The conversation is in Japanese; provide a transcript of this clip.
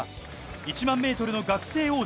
１００００ｍの学生王者。